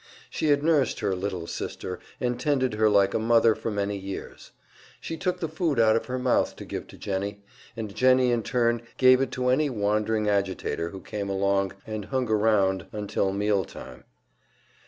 She had nursed her "little sister" and tended her like a mother for many years; she took the food out of her mouth to give to Jennie and Jennie in turn gave it to any wandering agitator who came along and hung around until mealtime.